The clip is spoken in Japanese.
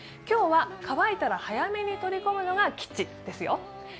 今日は、乾いたら早めに取り込むのが吉ですよ。